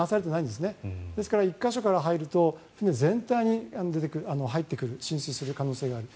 ですから１か所から入ると船全体に入ってくる浸水する可能性がある。